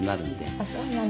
あっそうなの。